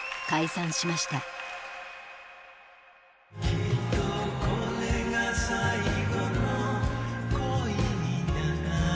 「きっとこれが最後の恋になる」